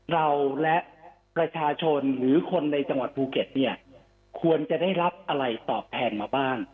เราและประชาชนหรือคนในจังหวัดภูเก็ตเนี่ยควรจะได้รับอะไรตอบแทนมาบ้าง